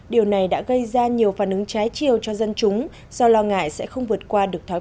điều này đã gây ra nhiều phản ứng trái chiều cho dân chúng do lo ngại sẽ không vượt qua được tháo gỡ